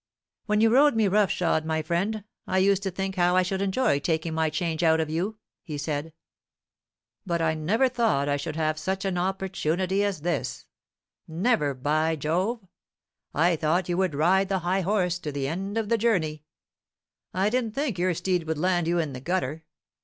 "When you rode me rough shod, my friend, I used to think how I should enjoy taking my change out of you," he said; "but I never thought I should have such an opportunity as this never, by Jove! I thought you would ride the high horse to the end of the journey; I didn't think your steed would land you in the gutter.